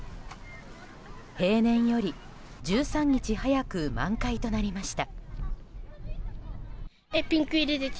平年より１３日早く満開となりました。